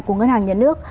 của ngân hàng nhà nước